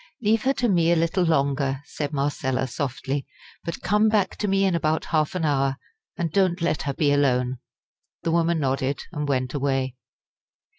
"Leave her to me a little longer," said Marcella, softly; "but come back to me in about half an hour, and don't let her be alone." The woman nodded, and went away.